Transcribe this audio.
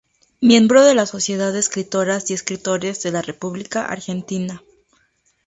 Miembro de la Sociedad de Escritoras y Escritores de la República Argentina.